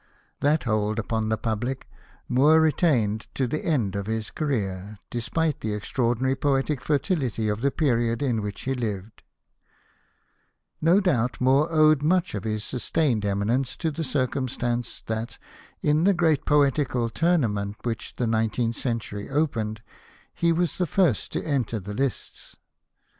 That hold upon the public Moore retained to the end of his vii Hosted by Google viii POETRY OF THOMAS MOORE career, despite the extraordinary poetic fertility of the period in which he Hved. No doubt Moore owed much of this sustained eminence to the circumstance that, in the great poetical tournament with which the nineteenth century opened, he was the first to enter the lists.